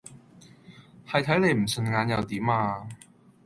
係睇你唔順眼又點呀！